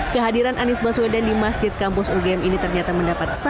kehadiran anies baswedan di masjid kampus ugm ini ternyata mendapat sanksi